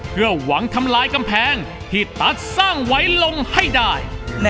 เพื่อหวังทำลายกำแพงที่ตั๊ดสร้างไว้ลงให้ได้